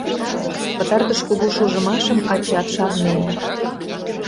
Пытартыш кугу шужымашым ачат шарнен.